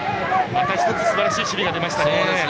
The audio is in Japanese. また１つすばらしい守備が出ましたね。